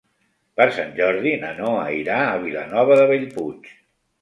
Per Sant Jordi na Noa irà a Vilanova de Bellpuig.